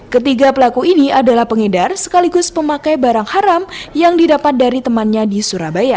ketiga pelaku ini adalah pengedar sekaligus pemakai barang haram yang didapat dari temannya di surabaya